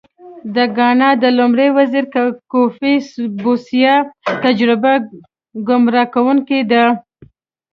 د ګانا د لومړي وزیر کوفي بوسیا تجربه ګمراه کوونکې ده.